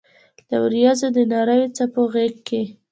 د اوریځو د نریو څپو غېږ کې